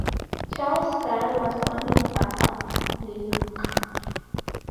Charles Gayle was born in Buffalo, New York.